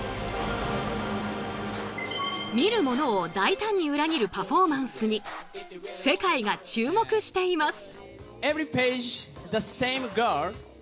見る者を大胆に裏切るパフォーマンスに世界が注目しています。